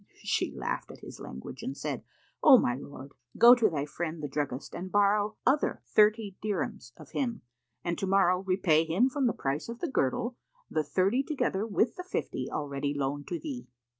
She laughed at his language and said, "O my lord, go to thy friend the druggist and borrow other thirty dirhams of him, and to morrow repay him from the price of the girdle the thirty together with the fifty already loaned to thee."